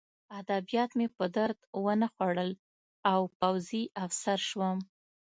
ادبیات مې په درد ونه خوړل او پوځي افسر شوم